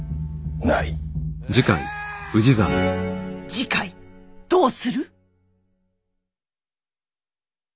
次回どうする？